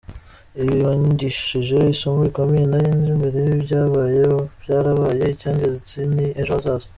Ibi byanyigishije isomo rikomeye ntari nzi mbere: Ibyabaye byarabaye, icy’ingenzi ni ejo hazaza”.